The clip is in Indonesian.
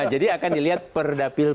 jadi akan dilihat per dapil